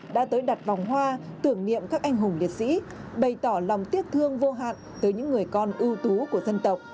đã tới đặt vòng hoa tưởng niệm các anh hùng liệt sĩ bày tỏ lòng tiếc thương vô hạn tới những người con ưu tú của dân tộc